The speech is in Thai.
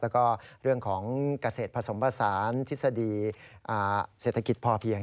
แล้วก็เรื่องของเกษตรผสมผสานทฤษฎีเศรษฐกิจพอเพียง